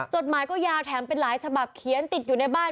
จดหมายก็ยาวแถมเป็นหลายฉบับเขียนติดอยู่ในบ้าน